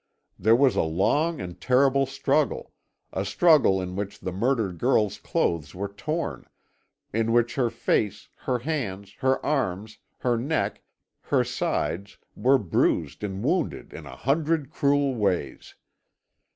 There was a long and terrible struggle a struggle in which the murdered girl's clothes were torn, in which her face, her hands, her arms, her neck, her sides were bruised and wounded in a hundred cruel ways.